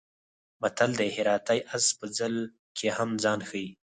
متل دی: هراتی اس په ځل کې هم ځان ښي.